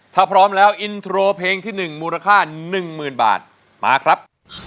ถ้าพร้อมแล้วอินโทรเพลงที่๑มูลค่า๑๐๐๐บาทมาครับ